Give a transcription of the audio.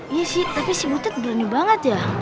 iya sih tapi si butet berani banget ya